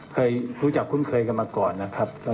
เคยรู้จักคุ้นเคยกันมาก่อนนะครับ